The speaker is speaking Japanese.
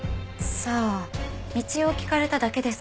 さあ道を聞かれただけですから。